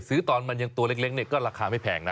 ซื้อตอนมันยังตัวเล็กก็ราคาไม่แพงนะ